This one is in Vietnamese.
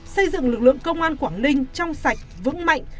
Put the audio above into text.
xây dựng lực lượng công an quảng ninh trong sạch vững mạnh